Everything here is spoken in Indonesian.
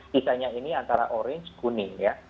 sisanya ini antara orange kuning ya